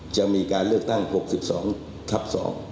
จะมีการเลือกตั้ง๖๒ทับ๒